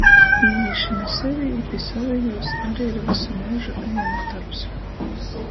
Īīšona sevī i pi sovejūs ari ir vysu myužu ejams dorbs.